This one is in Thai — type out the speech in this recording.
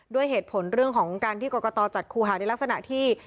ด้วยเหตุผลเรื่องของการที่กรกตจัดคู่หาในลักษณะที่